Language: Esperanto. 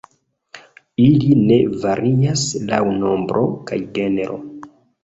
Ili ne varias laŭ nombro kaj genro.